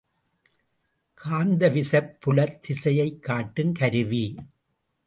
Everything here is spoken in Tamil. காந்த விசைப் புலத் திசையைக் காட்டும் கருவி.